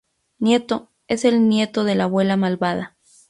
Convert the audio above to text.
Nieto: Es el nieto de la abuela malvada.